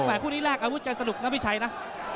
คุณแห่งคู่นี้แรกอาวุธกันสนุกนะพี่ชัยนะ